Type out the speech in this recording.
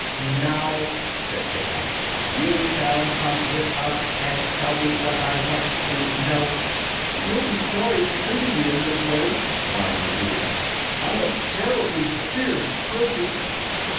"Now," said Tiktok, "you shall come with us and tell me what I want to know." "You'll be sorry for treating me in this way," whined the Wheeler. "I'm a terribly fierce person."